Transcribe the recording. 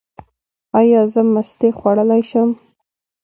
ایا زه مستې خوړلی شم؟